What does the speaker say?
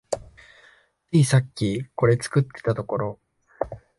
ついさっきこれ作ってたところ